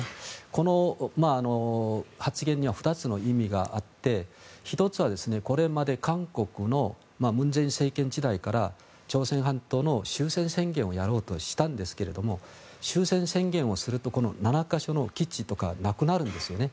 この発言には２つの意味があって１つはこれまで韓国の文在寅政権時代から朝鮮半島の終戦宣言をやろうとしたんですが終戦宣言をするとこの７か所の基地とかがなくなるんですよね。